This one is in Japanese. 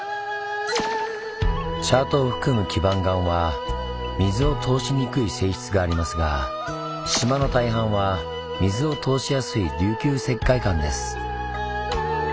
チャートを含む基盤岩は水を通しにくい性質がありますが島の大半は水を通しやすい琉球石灰岩です。